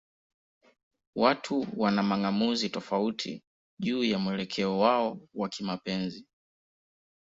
Watu wana mang'amuzi tofauti juu ya mwelekeo wao wa kimapenzi.